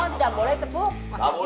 tidak boleh tepuk